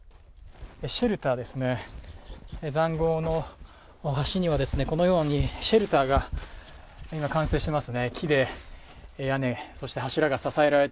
シェルターですね、塹壕の端にはこのように、シェルターが今完成してます